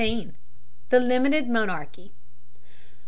THE LIMITED MONARCHY.